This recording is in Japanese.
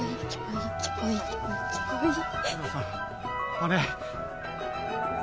あれ。